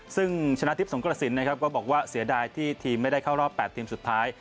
ซึ่งชนะทิพย์สงกระสินนะครับก็บอกว่าเสียดายที่ทีมไม่ได้เข้ารอบ๘ทีมสุดท้าย